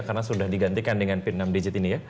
karena sudah digantikan dengan pin enam digit ini ya